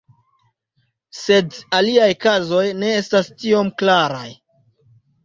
Sed aliaj kazoj ne estas tiom klaraj.